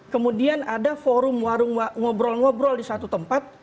kemudian ada forum warung ngobrol ngobrol di satu tempat